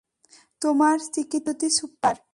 তোমার চিকিৎসা পদ্ধতি সুপ্পার!